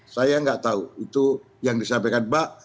saya nggak tahu itu yang disampaikan mbak